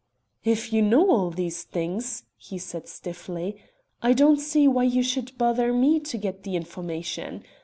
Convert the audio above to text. "If you know all these things," he said stiffly, "I don't see why you should bother me to get you the information.